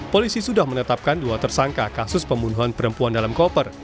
polisi sudah menetapkan dua tersangka kasus pembunuhan perempuan dalam koper